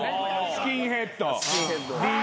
スキンヘッドＤＪ。